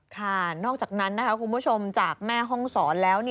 ค่ะนอกจากนั้นนะคะคุณผู้ชมจากแม่ห้องศรแล้ว